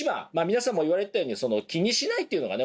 皆さんも言われてたように気にしないというのがね